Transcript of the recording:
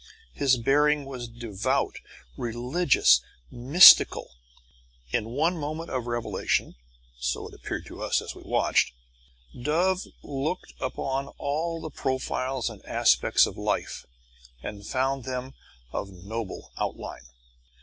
His bearing was devout, religious, mystical. In one moment of revelation (so it appeared to us as we watched) Dove looked upon all the profiles and aspects of life, and found them of noble outline.